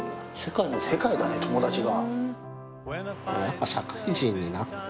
世界だね友達が。